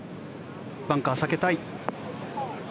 バンカー避けたい。